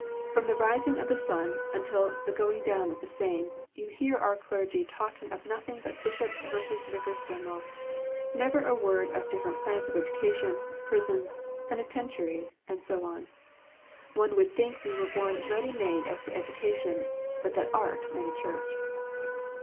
From the rising of the sun until the going down of the same, you hear our clergy talking of nothing but Bishops versus Vicars General never a word of different plans of education, prisons, penitentiaries, and so on. One would think we were born ready made as to education, but that Art made a Church.